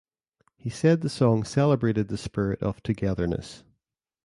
He said the song celebrated the spirit of togetherness.